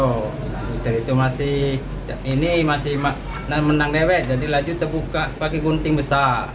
terus dari itu masih ini masih menang dewas jadi laju terbuka pakai gunting besar